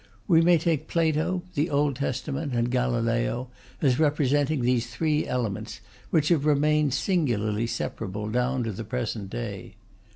We may take Plato, the Old Testament, and Galileo as representing these three elements, which have remained singularly separable down to the present day.